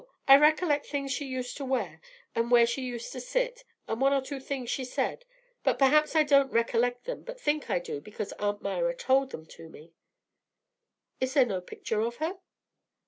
I recollect things she used to wear, and where she used to sit, and one or two things she said. But perhaps I don't recollect them, but think I do because Aunt Myra told them to me." "Is there no picture of her?"